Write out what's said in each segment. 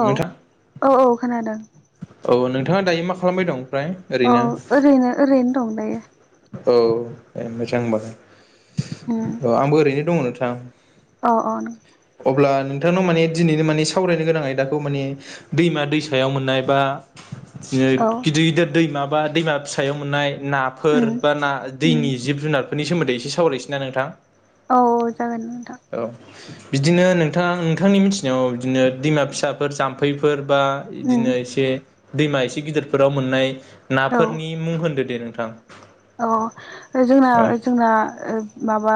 औ औ औ खोनादों औ नोंथाङा दायो मा खालामबाय दं ओमफ्राय औ ओरैनो ओरैनो ओरैनो दं दायो औ ए मोजां होनबा‌ औ आंबो ओरैनो दङ नोंथां अ अ नं अब्ला नोंथांनाव माने दिनैनि माने सावरायनो गोनां आयदाखौ माने दैमा दैसायाव मोननाय बा जिद औ गिदिर गिदिर दै माबा दैमा फिसायाव मोननाय नाफोर उम बा ना उम दैनि जिब जुनारफोरनि सोमोन्दै एसे सावरायसैना नोंथां औ जागोन नोंथां औ बिदिनो नोंथां नोंथांनि मिथिनायाव बिदिनो दैमा फिसाफोर जाम्फैफोर बा उम इदिनो एसे दैमा एसे गिदिरफोराव मोननाय औ नाफोरनि मुं होनदो देन औ जोंना औ जोंना माबा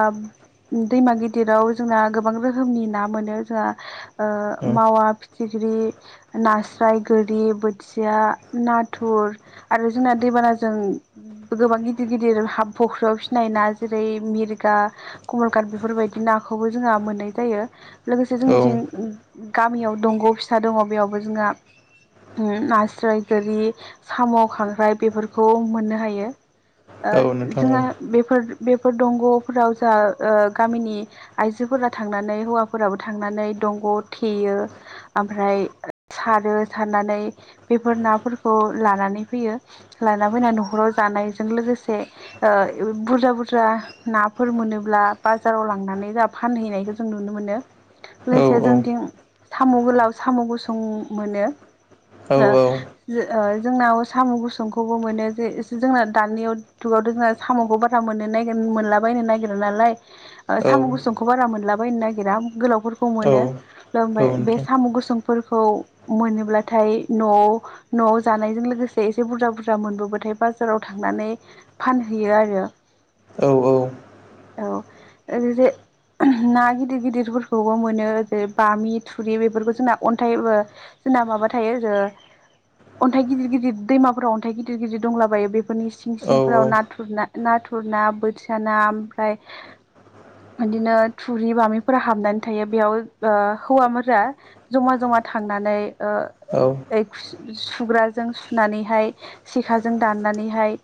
दैमा गिदिराव जोंना गोबां रोखोमनि ना मोनो जोंहा ओ औ मावा फिथिख्रि, नास्राय, गोरि, बोथिया, नाथुर आरो जोंना दै बाना जों गोबां गिदिर गिदिर हा फख्रियाव फिसिनाय ना जेरै मिरगा, कमलकाट बेफोरबायदि नाखौ खौबो जोंहा मोननाय जायो लोगोसे औ जोंथिं गामियाव दंग फिसा दङ बेयावबो जोंहा उम नास्राय, गोरि, साम, खांख्राइ, बेफोरखौ मोननो हायो। ओ औ नोंथां जोंहा बेफोर बेफोर दंगफोराव जा ओ गामिनि आइजोफोरा थांनानै हौवाफोराबो थांनानै दंग' थेयो ओमफ्राय सारो सारनानै बेफोर नाफोरखौ लानानै फैयो लाना फैनानै नखराव जानाय जों लोगोसे ओ बुरजा बुरजा नाफोर मोनोब्ला बाजाराव लांनानै फानहैनायखौ जों नुनो मोनो। औ लोगोसे औ जों थिं साम' गोलाव, साम' गुसुं मोनो। औ ओ जों ओ जोंनाव साम' गुसुंखौबो मोनो जे जोंना दानि जुगावथ' जोंङो साम'खौ बारा मोननो नागिर मोनलाबायनो नागिरा नालाय औ साम' गुसुं खौ बारा मोनलाबायायनो नागिरा गोलावफोरखौ औ मोनो ओमफ्राय बे नोंथां साम' गुसुंफोरखौ मोनोब्लाथाय न'आव न'आव जानायजों लोगोसे एसे बुरजा बुरजा मोनबोबथाय बाजाराव थांनानै फानहैयो आरो। औ औ औ ओरैजाय ना गिदिर गिदिरफोरखौबो मोनो बे बामि, थुरि, बेफोरखौ जोंना अन्थाइ ओ। जोंना माबा थायो ओ अन्थाइ गिदिर गिदिर दैमाफोराव अन्थाइ गिदिर गिदिर दंलाबायो बे फोरफोरनि सिं सिंफोराव औ नाथुरना नाथुरना बोथिया ना ओमफ्राय बिदिनो थुरि बामिफोरा हाबनानै थायो बेयाव ओ हौवाफोरज जमा जमा थांनानै ओ औ औ ऐ खु सुग्राजों सुनानैहाय सेखाजों दाननानैहाय नाय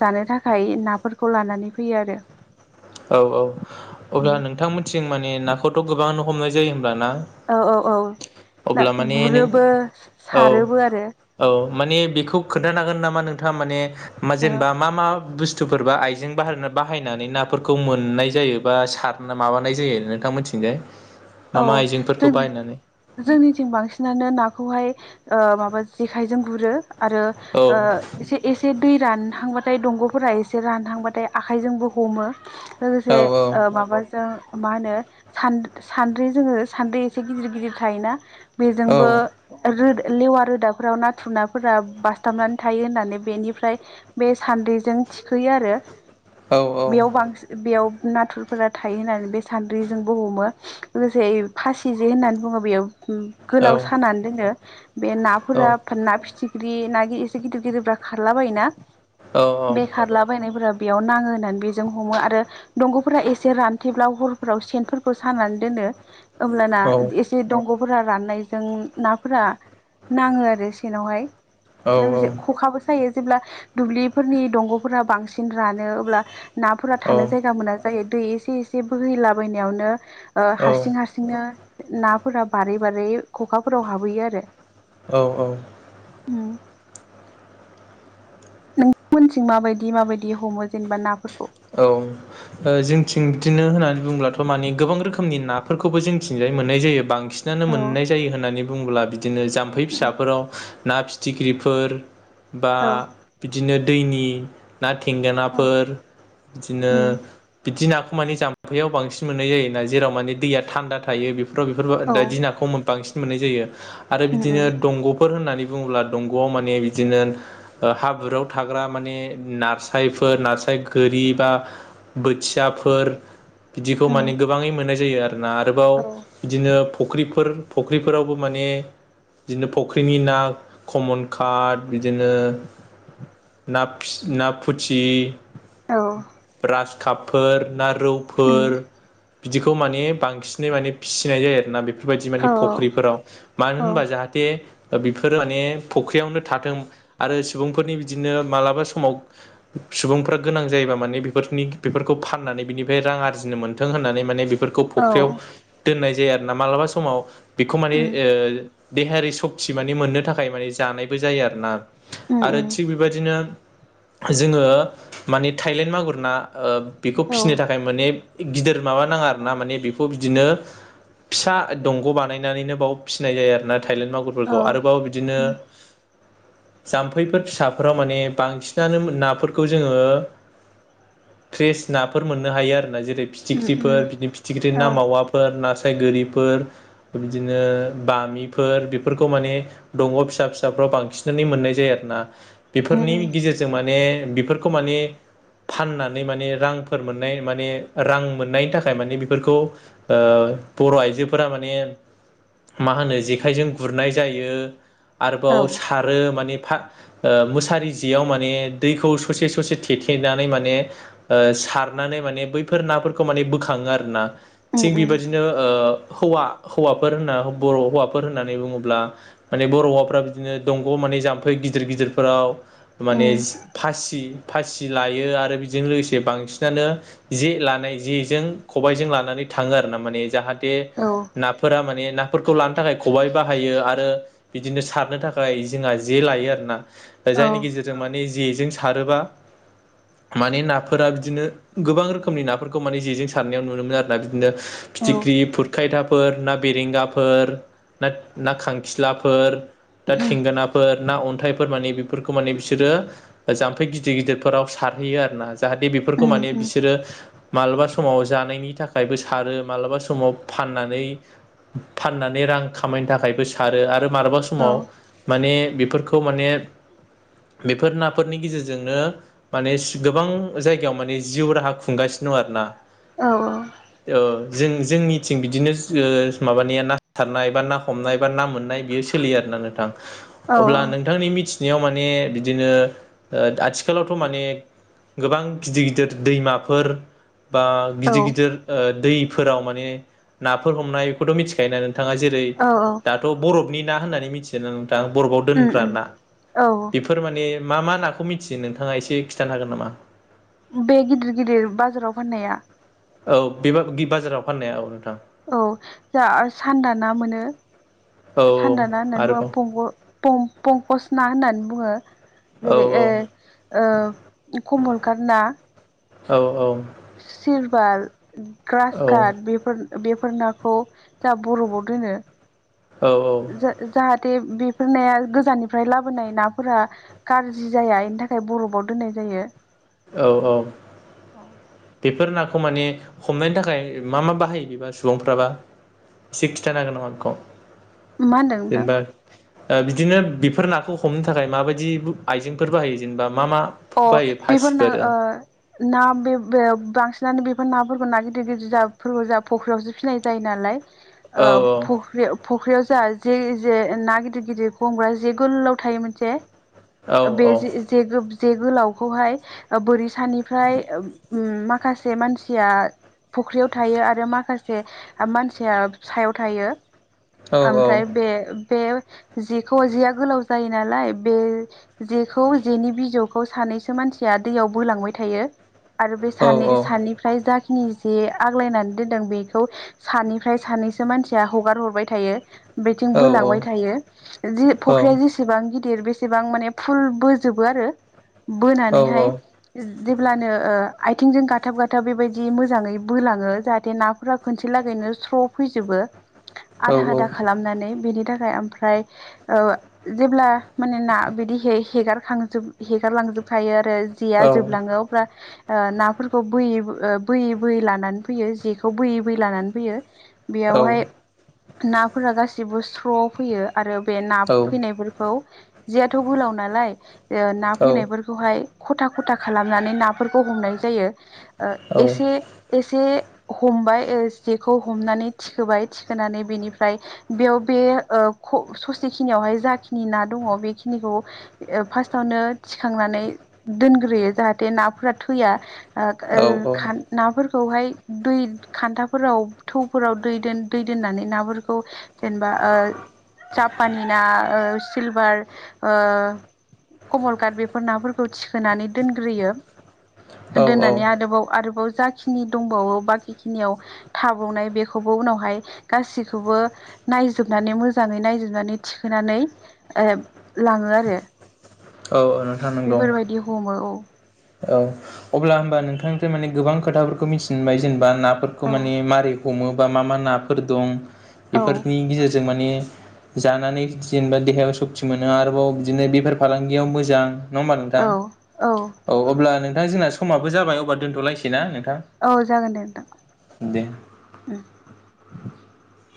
जानो थाखाय नाफोरखौ लानानै फैयो आरो। औ औ अब्ला उम नोंथां मिनथिं माने नाखौथ' गोबांङानो हमनाय जायो? अ ना औ औ औ अब्ला माने नों गुरोबो औ सारोबो आरो औ माने बिखौ खोन्थानो हागोन नामा नोंथाङा माने मा औ जेनेबा मा मा बुस्थु फोरबा आइजें बा बाहायनानै ना फोरखौ मोननाय जायो बा सार माबानाय जायो नोंथां मोनथिंजाय? औ जों जोंनि बांसिनानो नाखौहाय ओ माबा जेखायजों गुरो। आरो औ ओ एसे ए दै रानहांबाथाय दंग'फोरा एसे रानहांबाथाय आखायजोंबो हमो औ लोगोसे ओ औ माबाजों मा होनो सान सान्द्रि जोङो सान्द्रि एसे गिदिर गिदिर थायोना बेजोंबो औ लेवा रोदाफोर बेयाव नाथुरनाफोरा बासथाबनानै थायो होननानै बेनिफ्राय बे सान्द्रिजों थिखोयो आरो। औ बेयाव बांसिन बेयाव नाथुरफोरा थायो होननानै बे सान्द्रिजोंबो हमो। लोगोसे फासि जे होननानै बुङो बेयो औ गोलाव सानानै दोनो बे नाफोर ना फिथिख्रि ना गिर एसे गिदिर गिदिरफ्रा खारला बायोना बेखारलाबायनायफोरा बेयाव नाङो होननानै बेजों हमो आरो दंग'फोरा एसे रानथेब्लाव हर फोराव सेन फोरखौ सानानै दोनो होमब्लाना एसे दंग'फोरा राननायजों नाफोरा नाङो आरो सेनावहाय। औ लोगोसे खखाबो सायो जेब्ला दुब्लिफोरनि दंग'फोरा बांसिन रानो अब्ला नाफोरा थानो जायगा मोना जायो दै एसे एसे बोहैलाबायनायावनो ओ औ हारसिं हारसिंनो नाफोरा बारै बारै खखाफोराव हाबहैयो आरो। [inaudible] औ औ। उम। नोंथां मोनथिं माबायदि माबायदि हमो जेनेबा नाफोरखौ। बाय जोंथिं बिदिनो होननानै बुंब्लाथ' माने गोबां रोखोमनि नाफोरखौबो जोंथिंजाय मोननाय जायो बांसिन। सिनानो औ मोननाय जायो होननानै बुङोब्ला बिदिनो जाम्फै फिसाफोराव ना फि। फिथिख्रिफोर बा औ बिदिनो दैनि। ना थेंगोनाफोर बिदिनो। उम दिनाखौ माने जाम्फैायाव बांसिन मोननाय जायोना जेराव माने दैया थान्दा थायो बे। दों बेफोर औ बायदि बांसिन मोननाय जायो आरो उम उम बिदिनो दंग'फोर होननानै। बुङोब्ला दंग'आव माने बिदिनो ओ हाब्रुआव थाग्रा माने नाफिसायफोर नाफस गोरिबा बोथियाफोर बिदिखौ उम माने गोबाङै मोननाय जायो आरोना आरोबाव औ बिदिनो फख्रिफोर फख्रिफोरावबो माने बिदिनो फख्रिनि ना कमन काट बिदिनो ना फि ना फुथि औ ब्रास कापफोर ना उम रौफोर बिदिखौ माने बांसिनै माने फिसिनाय जायो आरोना बे फोरबायदि माने औ फुख्रिफोराव मानो औ होनबा जाहाथे ओ बेफोरो माने फुख्रियावनो थाथों आरो सुबुंफोरनि बिदिनो मालाबा समाव सुबुंफ्रा गोनां जायोबा माने बेफोरनि बेफोरखौ फाननानै बिनिफ्राय रां आरजिनो मोन्थों होननानै माने बेफोरखौ औ फख्रियाव दोननाय जे आरना मालाबा समाव बेखौ माने उम ओ देहायारि सक्ति माने मोननो थाखाय माने जानायबो जायो आरो ना। उम आरो उम थिग बेबायदिनो जोङो माने थाइलेण्ड मागुर ना ओ बेखौ औ फिसिनो थाखाय माने गिदिर माबा नाङा आरो ना माने बेखौ बिदिनो फिसा दंग' बानायनानैनो बाव फिसिनाय जायो आरोना थाइलेन औ मागुरफोरखौ आरोबाव बिदिनो उम जाम्फैफोर फिसाफोराव माने बांसिनानो नाफोरखौ जोङो [inaudible] फ्रेस नाफोर मोननो हायो आरो ना जेरै उम फिथिख्रिफोर उम बिदिन फिथिख्रि औ ना मावाफोर ना गोरिफोर बिदिनो बामिफोर बेफोरखौ माने दंग' फिसा फिसाफ्राव बा बांसिनानो मोननाय जायो आरना उम बेफोरनि उम गिजिरजों माने बेफोरखौ माने फाननानै माने रांफोर मोननाय माने रां मोननायनि थाखाय माने बेफोरखौ ओ बर' आइजोफोरा माने मा होनो जेखाइजों गुरनाय जायो। औ आरोबाव उम सारो माने फा ओ मोसारि जियाव माने दैखौ ससे ससे थेथेनानै मान ने ओ सारनानै माने बैफोर नाफोरखौ माने बोखाङो आरो ना थिग उम बेबायदिनो ओ हौवा हौवाफोर होनना बर' हौवाफोर होननानै बुङोब्ला माने बर' हौवाफोरा बिदिनो दंग' मा नै जाम्फै गिदिर गिदिर फोराव उम मानेज फासि फासि लायो आरो। बिजों लोगोसे बांसिनानो जे लानाय जेजों खबाइजों लानानै थाङो आरो ना माने जाहा बे औ नाफोरा माने ना फोरखौ लानो थाखाय खबाइ बाहायो आरो बिदिनो सारनो थाखाय जोंहा जे लायो आरोना। औ जायनि गेजेरजों मानि जेजों सारोबा माने नाफोरा बिदिनो गोबां रोखोमनि नाफोरखौ माने जेजों सारनायाव नुनो मोनो आरोना बिदिनो फिथि औ ख्रि फुरखायथाफोर ना बेरेंगाफोर ना ना खांखिलाफोर दा थिंगोनाफोर ना अन्थाइफोर माने बेफोरखौ माने बिसोरो जाम्फै गिदिर गिदिरफोराव सारहैयो आरोना जाहाथे बेफोरखौ उम माने उम बिसोरो मालाबा समाव जानायनि थाखायबो सारो मालाबा समाव फाननानै फाननानै रां खामायनो थाखायबो सारो आरो मालाबा औ समाव माने बे फोरखौ माने बेफोर नाफोरनि गेजेरजोंनो मानेस गोबां जायगायाव माने जिउ राहा खुंगासिनो दं आरोना। औ औ। जों जोंनिथिं बिदिनोज ओ माबानिया ना सारनाय बा ना हमनाय बा ना मोननाय बियो सोलियो आरोना नोंथां। औ अब्ला नोंथांनि मिथिनायाव माने बिदिनो ओ आथिखालाव थ' माने गोबां गिदिर गिदिर दैमाफोर बा औ गिदिर गिदिर ओ दैफोराव माने नाफोर हमनाय बेखौथ' मिथिखायो नों थाङा जेरै औ दाथ' बरफनि ना होननानै मिथिदो ना नोंथां? दा बरफआव उम दोनग्रा उम ना औ बेफोर माने मा मा नाखौ मिथियो नोंथ थाङा एसे खिथानो हागोन नामा? बे गिदिर गिदिर बाजाराव फाननाया? औ बिबा बे बाजाराव फाननाया औ नोंथ औ जा सान्दा ना मोनो। औ औ सान्दा ना होननानै आरोबाव बुङो पंग' पं-पंकस ना होननानै बुङो। औ औ जेरै ओ ओ कमल कार ना औ औ। सिलबार ग्रास काट बेफोर बेफोर नाखौ जा बरफाव दोनो। औ जा-जाहात ते बेफोर नाया गोजाननिफ्राय लाबोनाय नाफोरा गाज्रि जाया इनि थाखाय बरफाव दोननाय जाय [unintelligible] औ औ। बेफोर नाखौ माने हमनायनि थाखाय मा मा बाहायो बिबा सुबुंफ्राबा इसे खिथानो हागोन नामा मा होनदों [unintelligible] नोंथां? जेनबा ओ बिदिनो बिफोर नाखौ हमनो थाखाय माबायदि आइजेंफोर बाहायो जेनेबा मा मा अ बायो बेफोर ना फासिफोर ओ औ ना बे बो बांसिनानो बेफोर नाफोरखौ ना गिदिर गिदिर जाफोरखौ जा फख्रियावसो फिसिनाय जायो नालाय ओ फुख्रि फुख्रियाव जा जे जे ना गिदिर गिदिर हमग्रा जे गोलाव थायो मोनसे औ बे जे जेगोबस जे गोलावखौहाय ओ बोरिसानिफ्राय ओ उम माखासे मानसिया फुख्रियाव थायो आरो माखासे मानसिया सायाव थायो। औ ओमफ्राय बे-बे जेखौ जेया गोलाव जायो नालाय बे जेखौ जेनि बिजौ खौ सानैसो मानसिया दैयाव बोलांबाय थायो आरो बे औ सानै सफ्राय जा नि जे आग्लायनानै दोनदों बेखौ सानिफ्राय सानैसो मानसिया हगार हरबाय थायो। बेथिं औ बोलांबाय थायो जि औ फख्रिया जेसेबां गि दिर बेसेबां माने फुल बोजोबो आरो। बोनानैहाय औ जेब्लानो ओ आइथिंजों गाथाब गाथाब बेबायदि मोजाङै बोलाङो जाहाथे नाफोरा खनसे लागै ओ स्र फैजोबो आधा आधा खालामनानै बेनि थाख खाय ओमफ्राय ओ जेब्ला माने ना बिदि हे-हेगारखांजोब हेगारलांजोबखायो आरो जेया जोबलाङो अब्ला ओ नाफोरखौ बोयै ओ बोयै बोयै लानानै फैयो जेखौ बोयै बोयै लानानै फैयो। बेयावहाय नाफोरा गासिबो स्र' फैयो आरो बे ना फैनायफोरखौ जियाथ' गोलाव नालाय ओ ना फैनायफोरखौहाय ख'था ख'था खालामनानै नाफोरखौ हमनाय जायो ओ एसे एसे हमबाय ओ जेखौ हमनानै थिखोबाय थिखोनानै बेनिफ्राय बेयाव बे ओ ख' ससेखिनियावहाय जाखिनि ना दङ बेखिनिखौ ओ फार्स्टआवनो थिखांनानै दोनग्रोयो जाहाथे नाफोरा थैया ओ ओ खान नाफोर खौ हाय दै खान्थाफोराव थौफोराव दै दोन दै दोननानै नाफोरखौ जेनबा ओ जापाननि ना ओ सिलभार ओ कमल काट बेफोर ना फोरखौ थिखोनानै दोनग्रोयो। औ दोन्नानै आरोबाव जाखिनि दंबावो बाखि खिनियाव थाबावनाय बेखौबो उनावहाय गासैखौबो नायजोबनानै मोजाङै नायजोबनानै थिखोनानै ओ लाङो आरो। औ औ नोंथां नोंगौ। बेफोरबायदि हमो औ अब्ला होमबा नोंथांनिफ्राय माने गोबां खोथाफोरखौ मिथिनो मोनबाय जेनेबा ना फोरखौ औ माने मारै हमो बा मा मा नाफोर दं औ बेफोरनि गेजेरजों माने जानानै जेनेबा देहायाव सक्ति मोनो आरोबाव बिदिनो बेफार फालांगियाव मोजां नङा होमबा नोंथां? औ औ अब्ला नोंथां जोंना समाबो जाबाय अब्ला दोनथ'लायसै ना नोंथां? औ जागोन दे दे नोंथां। [inaudible]